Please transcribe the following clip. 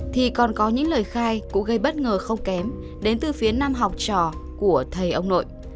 thì còn có những lời khai cũng gây bất ngờ không kém đến từ phía nam học trò của thầy ông nội